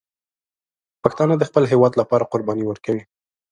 پښتانه د خپل هېواد لپاره قرباني ورکوي.